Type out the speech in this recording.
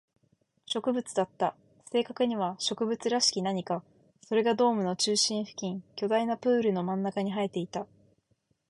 植物だった。正確には植物らしき何か。それがドームの中心付近、巨大なプールの真ん中に生えていた。